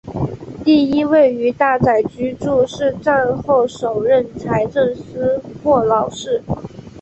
第一位于大宅居住的是战后首任财政司霍劳士。